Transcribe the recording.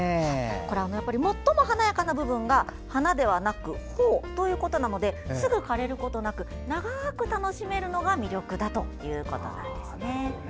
最も華やかな部分が花じゃなくてホウということですぐ枯れることなく長く楽しめるのが魅力だということなんですね。